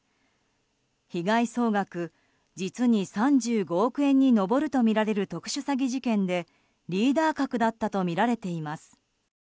被害総額、実に３５億円に上るとみられる特殊詐欺事件でリーダー格だったとみられています。